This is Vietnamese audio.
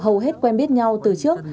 hầu hết quen biết nhau từ trước